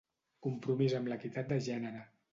"Compromís amb l'equitat de gènere"